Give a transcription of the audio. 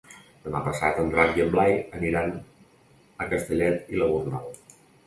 Demà passat en Drac i en Blai aniran a Castellet i la Gornal.